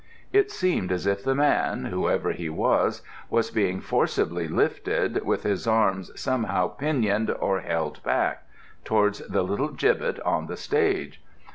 It seemed as if the man, whoever he was, was being forcibly lifted, with his arms somehow pinioned or held back, towards the little gibbet on the stage.